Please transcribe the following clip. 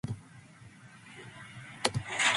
People thought it was funny, so it was left that way.